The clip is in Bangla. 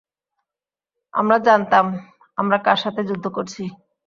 আমরা জানতাম আমরা কার সাথে যুদ্ধ করছি।